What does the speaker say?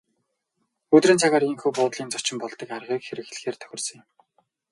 Өдрийн цагаар ийнхүү буудлын зочин болдог аргыг хэрэглэхээр тохирсон юм.